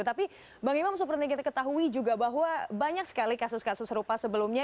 tapi bang imam seperti kita ketahui juga bahwa banyak sekali kasus kasus serupa sebelumnya